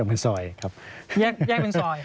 เป็นซอยครับแยกเป็นซอย